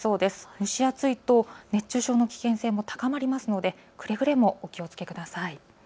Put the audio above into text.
蒸し暑いと熱中症の危険性も高まりますので、くれぐれもお気をつけください。